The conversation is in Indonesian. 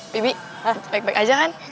bibi baik baik aja kan